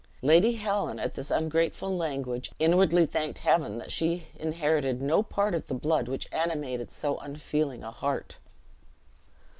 Lady Helen, at this ungrateful language, inwardly thanked Heaven that she inherited no part of the blood which animated so unfeeling a heart.